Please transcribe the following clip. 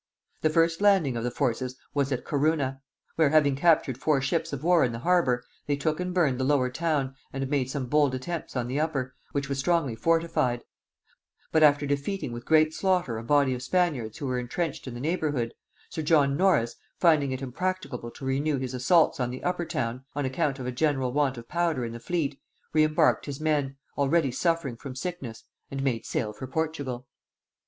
The first landing of the forces was at Corunna; where having captured four ships of war in the harbour, they took and burned the lower town and made some bold attempts on the upper, which was strongly fortified: but after defeating with great slaughter a body of Spaniards who were intrenched in the neighbourhood, sir John Norris, finding it impracticable to renew his assaults on the upper town, on account of a general want of powder in the fleet, re embarked his men, already suffering from sickness, and made sail for Portugal.